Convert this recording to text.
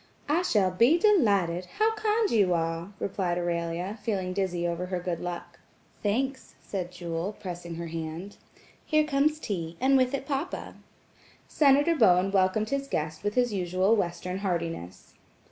"I shall be delighted. How kind you are," replied Aurelia, feeling dizzy over her good luck. "Thanks," said Jewel, pressing her hand. "Here comes tea, and with it papa." Senator Bowen welcomed his guest with his usual Western heartiness.